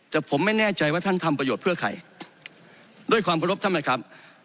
แต่ผมไม่แน่ใจว่าท่านทำประโยชน์เพื่อใครด้วยความขอรบท่านนะครับ